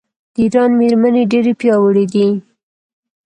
د ایران میرمنې ډیرې پیاوړې دي.